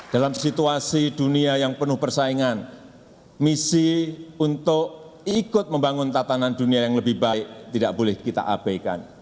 dalam situasi dunia yang penuh persaingan misi untuk ikut membangun tatanan dunia yang lebih baik tidak boleh kita abaikan